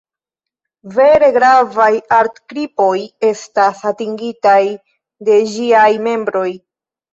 Vere gravaj art-kripoj estas atingitaj de ĝiaj membroj.